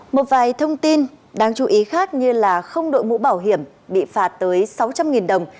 một vài thông tin đáng chú ý khác như không đội mũ bảo hiểm bị phạt tới sáu trăm linh đồng